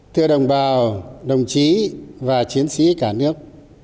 thưa đồng bào đồng chí và chiến sĩ cả nước